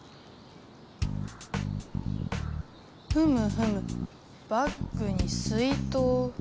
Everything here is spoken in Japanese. ふむふむバッグに水とう。